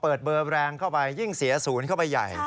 เปิดเบอร์แรงเข้าไปยิ่งเสียศูนย์เข้าไปใหญ่